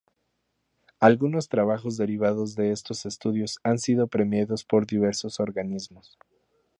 Algunos trabajos derivados de estos estudios han sido premiados por diversos organismos.